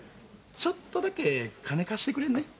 ちょっとだけ金貸してくれんね？